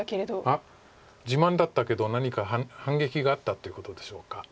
あっ自慢だったけど何か反撃があったっていうことでしょうか。